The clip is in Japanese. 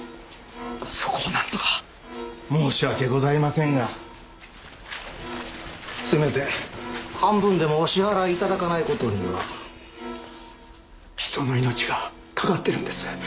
そこをなんとか申し訳ございませんがせめて半分でもお支払い頂かないことには人の命がかかってるんです